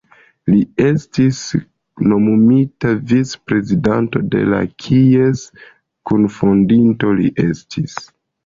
Li estis nomumita vic-prezidanto de la kies kunfondinto li estis.